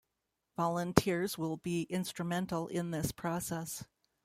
Volunteers will be instrumental in this process.